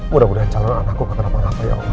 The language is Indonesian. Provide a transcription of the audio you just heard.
mudah mudahan calon anakku gak kenapa napa ya allah